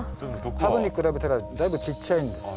ハブに比べたらだいぶちっちゃいんです。